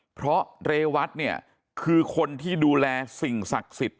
เพราะเรวัตเนี่ยคือคนที่ดูแลสิ่งศักดิ์สิทธิ